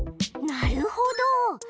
なるほど！